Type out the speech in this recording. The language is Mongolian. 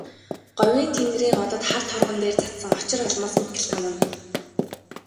Говийн тэнгэрийн одод хар торгон дээр цацсан очир алмаас мэт гялтганан.